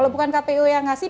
bukan kpu yang ngasih